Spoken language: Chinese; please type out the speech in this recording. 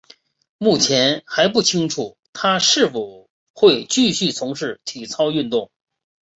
目前还不清楚她是否会继续从事体操运动。